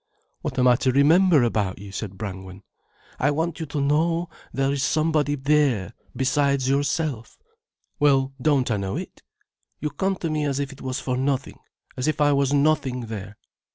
"What am I to remember about you?" said Brangwen. "I want you to know there is somebody there besides yourself." "Well, don't I know it?" "You come to me as if it was for nothing, as if I was nothing there.